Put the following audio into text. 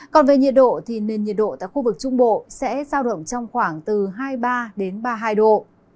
còn về nhiệt độ thì nền nhiệt độ tại khu vực trung bộ sẽ giao động trong khoảng từ hai mươi ba đến ba mươi hai độ